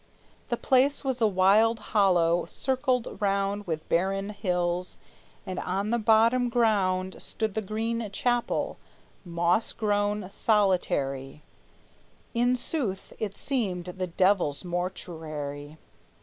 The place was a wild hollow, circled round With barren hills, and on the bottom ground Stood the Green Chapel, moss grown, solitary; In sooth, it seemed the devil's mortuary!